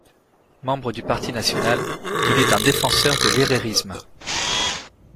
Membre du Parti national, il est un défenseur de l'herrerisme.